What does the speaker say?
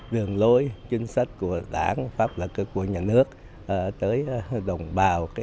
đường lối chính sách của đảng pháp luật của nhà nước tới đồng bào